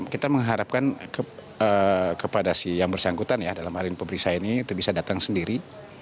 kita mengharapkan kepada si yang bersangkutan dalam hal ini pemeriksaan ini bisa datang sendiri